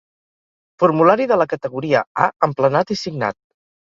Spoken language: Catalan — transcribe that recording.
Formulari de la categoria A emplenat i signat.